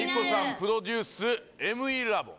プロデュースＭＥラボン